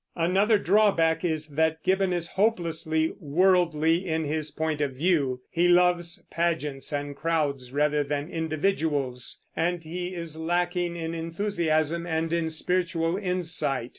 Another drawback is that Gibbon is hopelessly worldly in his point of view; he loves pageants and crowds rather than individuals, and he is lacking in enthusiasm and in spiritual insight.